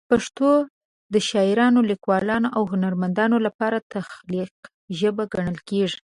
پښتو د شاعرانو، لیکوالو او هنرمندانو لپاره د تخلیق ژبه ګڼل کېږي.